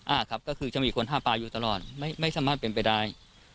อ่าครับก็คือจะมีคนห้ามปลาอยู่ตลอดไม่สามารถเป็นไปได้